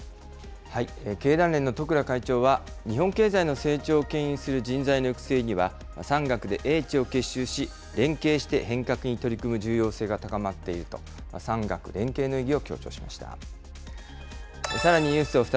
経団連の十倉会長は、日本経済の成長をけん引する人材の育成には、産学で英知を結集し、連携して変革に取り組む重要性が高まっていると、産学連携の意義を強調しました。